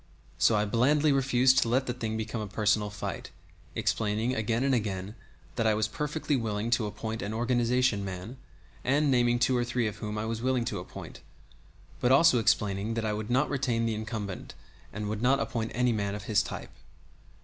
So I blandly refused to let the thing become a personal fight, explaining again and again that I was perfectly willing to appoint an organization man, and naming two or three whom I was willing to appoint, but also explaining that I would not retain the incumbent, and would not appoint any man of his type.